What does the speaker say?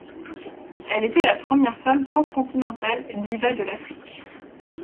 Elle était la première femme transcontinentale Diva de l'Afrique.